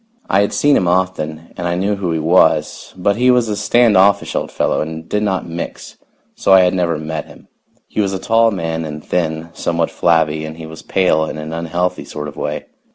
I had seen him often, and I knew who he was, but he was a stand offish old fellow and did not mix, so I had never met him. He was a tall man and thin, somewhat flabby and he was pale in an unhealthy sort of way.